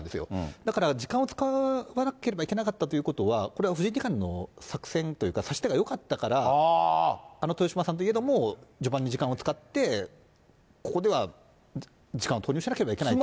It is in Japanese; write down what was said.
だから時間を使わなければいけなかったということは、これは藤井二冠の作戦というか、指し手がよかったから、あの豊島さんといえども序盤に時間を使って、ここでは時間を投入しなければいけないと。